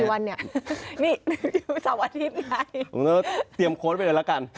ไปกี่วันเนี่ยนี่สามอาทิตย์ไงต้องเตรียมโค้ดไปเลยละกัน